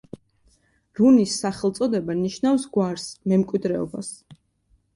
რუნის სახელწოდება ნიშნავს „გვარს“, „მემკვიდრეობას“.